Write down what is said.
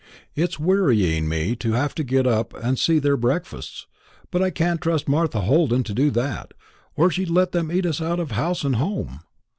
It's wearying for me to have to get up and see to their breakfasts, but I can't trust Martha Holden to do that, or she'd let them eat us out of house and home.